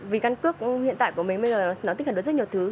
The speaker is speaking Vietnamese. vì căn cước hiện tại của mình bây giờ nó tích hợp được rất nhiều thứ